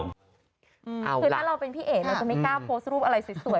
คือถ้าเราเป็นพี่เอ๋ไม่สงสัยให้โพสต์รูปอะไรให้สวย